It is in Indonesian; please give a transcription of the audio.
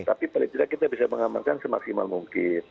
tapi paling tidak kita bisa mengamankan semaksimal mungkin